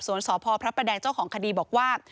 สพพระประแดงเจ้าของคดีบอกว่า